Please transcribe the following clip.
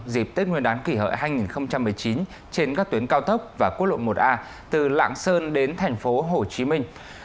dịp tết nguyên đán kỷ hợi hai nghìn một mươi chín trên các tuyến cao tốc và quốc lộ một a từ lạng sơn đến thành phố hồ chí minh